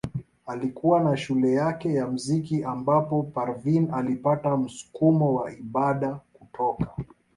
Alikuwa na shule yake ya muziki ambapo Parveen alipata msukumo wa ibada kutoka.